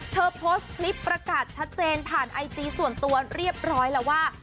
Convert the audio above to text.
โพสต์คลิปประกาศชัดเจนผ่านไอจีส่วนตัวเรียบร้อยแล้วว่า